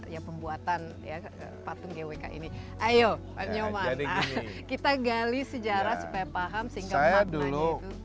yang pembuatan ya kepatung gwk ini ayo nyomong kita gali sejarah supaya paham sehingga dulu